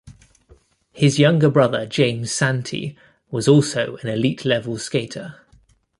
His younger brother James Santee was also an elite-level skater.